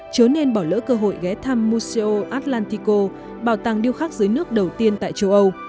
trở nên bỏ lỡ cơ hội ghé thăm mucio atlantico bảo tàng điêu khắc dưới nước đầu tiên tại châu âu